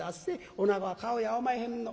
おなごは顔やおまへんの。